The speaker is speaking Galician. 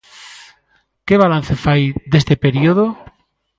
Que balance fai deste período?